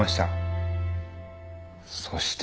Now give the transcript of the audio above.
そして。